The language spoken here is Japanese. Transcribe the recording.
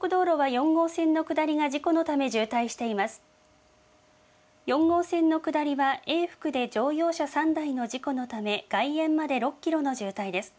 ４号線の下りは、永福で乗用車３台の事故のため外苑まで６キロの渋滞です。